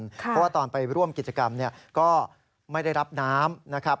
เพราะว่าตอนไปร่วมกิจกรรมก็ไม่ได้รับน้ำนะครับ